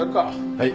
はい。